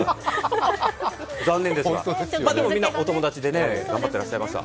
残念ですがでもみんな、お友達でね、頑張ってました。